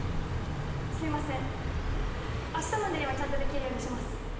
すみません明日までにはちゃんとできるようにします